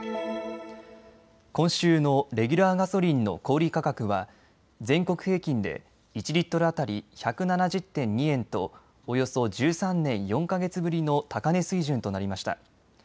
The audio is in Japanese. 今週のレギュラーガソリンの小売価格は全国平均で１リットル当たり１７０．２円とおよそ１３年４か月ぶりの高値水準となりました。